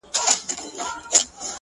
o چي خپلي سپيني او رڼې اوښـكي يې،